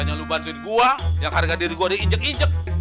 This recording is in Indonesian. yang lu bantuin gue yang harga diri gue diinjek injek